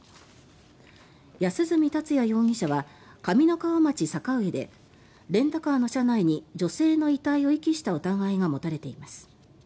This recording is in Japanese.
安栖達也容疑者は上三川町坂上でレンタカーの車内に女性の遺体を遺棄した疑いが持たれています。